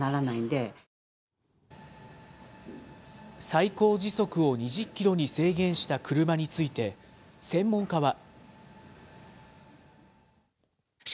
最高時速を２０キロに制限した車について、専門家は。